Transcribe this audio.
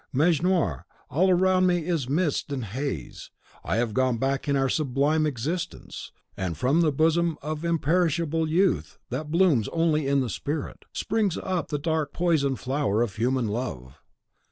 Mejnour, all around me is mist and haze; I have gone back in our sublime existence; and from the bosom of the imperishable youth that blooms only in the spirit, springs up the dark poison flower of human love.